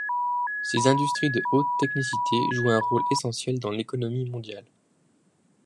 Ses industries de haute technicité jouent un rôle essentiel dans l'économie mondiale.